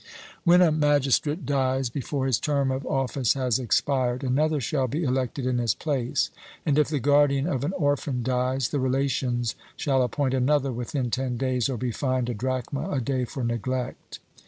When a magistrate dies before his term of office has expired, another shall be elected in his place; and, if the guardian of an orphan dies, the relations shall appoint another within ten days, or be fined a drachma a day for neglect.